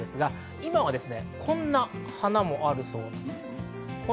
今はこんな花もあるそうです。